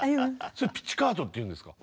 それピチカートっていうんですか？